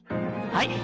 はい！